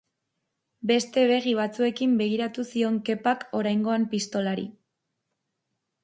Beste begi batzuekin begiratu zion Kepak oraingoan pistolari.